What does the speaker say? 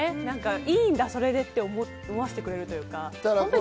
「いいんだ、それで」って思わせてくれるというか。